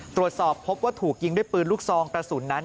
ตรวจสอบพบว่าถูกยิงด้วยปืนลูกซองกระสุนนั้น